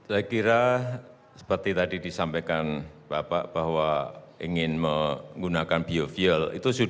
saya kira seperti tadi disampaikan bapak bahwa ingin menggunakan biofuel